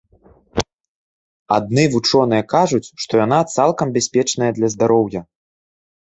Адны вучоныя кажуць, што яна цалкам бяспечная для здароўя.